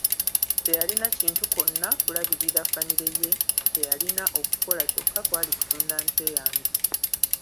Teyalina kintu konna kulabirira famire ye, kye yalina okukola kyokka kwali kutunda nte yange.